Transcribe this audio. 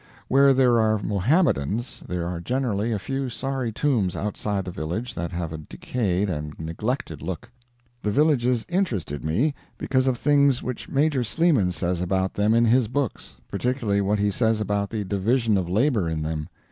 Where there are Mohammedans there are generally a few sorry tombs outside the village that have a decayed and neglected look. The villages interested me because of things which Major Sleeman says about them in his books particularly what he says about the division of labor in them.